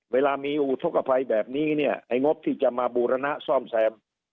เวลามีอุทธกภัยแบบนี้เนี่ยไอ้งบที่จะมาบูรณะซ่อมแซม